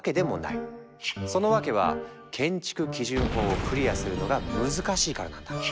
その訳は建築基準法をクリアするのが難しいからなんだ。